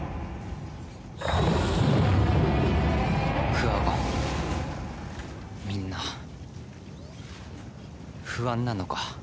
クワゴンみんな不安なのか？